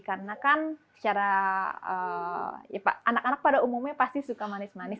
karena kan secara anak anak pada umumnya pasti suka manis manis